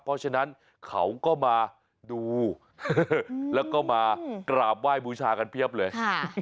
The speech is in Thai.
เพราะฉะนั้นเขาก็มาดูแล้วก็มากราบไหว้บูชากันเพียบเลย